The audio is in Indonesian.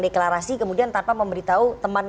deklarasi kemudian tanpa memberitahu teman